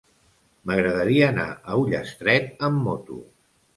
M'agradaria anar a Ullastret amb moto.